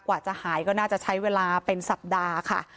กว่าจะหายก็น่าจะใช้เวลาเป็นสัปดาห์ค่ะ